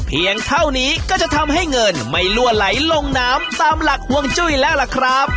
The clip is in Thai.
เพียงเท่านี้ก็จะทำให้เงินไม่ลั่วไหลลงน้ำตามหลักห่วงจุ้ยแล้วล่ะครับ